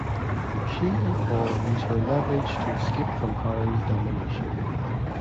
She and Paul use her leverage to escape from Harry's domination.